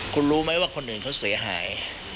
คุณรู้ไหมว่าคนอื่นเขาเสียหาย